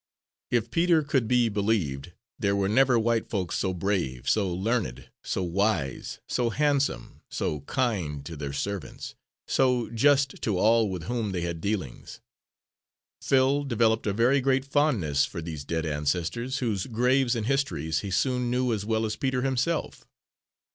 If Peter could be believed, there were never white folks so brave, so learned, so wise, so handsome, so kind to their servants, so just to all with whom they had dealings. Phil developed a very great fondness for these dead ancestors, whose graves and histories he soon knew as well as Peter himself.